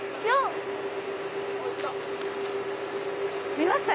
見ました？